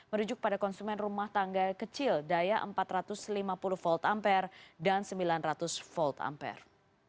merujuk pada konsumen rumah tangga kecil daya empat ratus lima puluh volt ampere dan sembilan ratus volt ampere